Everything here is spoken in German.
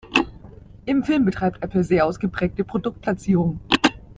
Im Film betreibt Apple sehr ausgeprägte Produktplatzierung.